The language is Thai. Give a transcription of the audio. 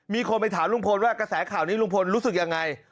มีคนไปถามลุงพลว่ากระแสข่าวนี้ลุงพลรู้สึกยังไง